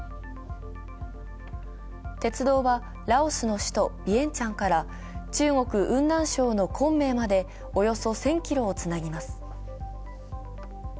鉄道はラオスの首都ビエンチャンから中国雲南省の昆明まで、およそ１０００ｋｍをつなぎます。